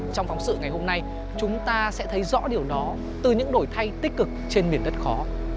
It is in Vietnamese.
trong phóng sự ngày hôm nay chúng ta sẽ thấy rõ điều đó từ những đổi thay tích cực trên miền đất khó